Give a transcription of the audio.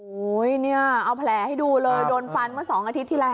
โอ้โหเนี่ยเอาแผลให้ดูเลยโดนฟันเมื่อ๒อาทิตย์ที่แล้ว